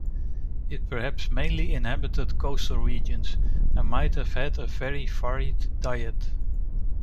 It perhaps mainly inhabited coastal regions and might have had a very varied diet.